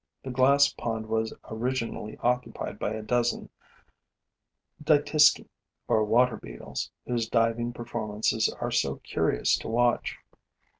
The glass pond was originally occupied by a dozen Dytisci, or water beetles, whose diving performances are so curious to watch.